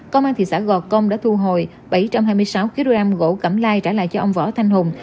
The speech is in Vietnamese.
công an thị xã gò công đã thu hồi bảy trăm hai mươi sáu kg gỗ cẩm lai trả lại cho ông võ thanh hùng